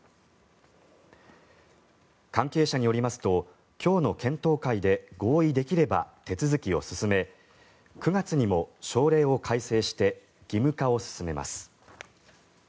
関係者によりますと今日の検討会で合意できれば手続きを進め９月にも省令を改正して義務化を進めます。